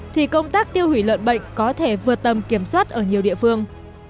thì công tác tiêu hủy lợn bệnh có thể vượt tầm kiểm soát ở nhiều địa phương